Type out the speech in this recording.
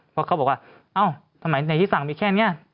เพราะเขาบอกว่าเอ้าทำไมในที่สั่งมีแค่นี้